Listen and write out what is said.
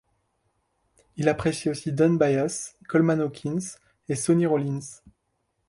Il appréciait aussi Don Byas, Coleman Hawkins et Sonny Rollins.